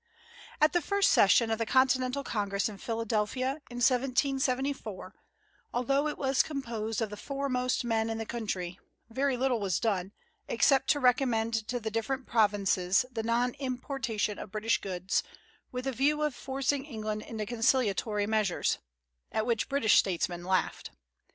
At the first session of the Continental Congress in Philadelphia, in 1774, although it was composed of the foremost men in the country, very little was done, except to recommend to the different provinces the non importation of British goods, with a view of forcing England into conciliatory measures; at which British statesmen laughed.